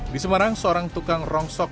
di semarang seorang tukang rongsok